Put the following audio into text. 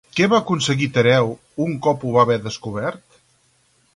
Què va aconseguir Tereu, un cop ho va haver descobert?